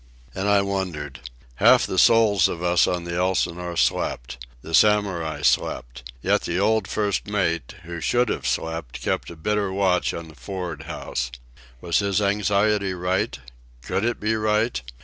And I wondered. Half the souls of us on the Elsinore slept. The Samurai slept. Yet the old first mate, who should have slept, kept a bitter watch on the for'ard house. Was his anxiety right? Could it be right?